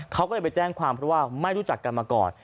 เขาก็เลยไปแจ้งความเพราะว่าไม่รู้จักกันมาก่อน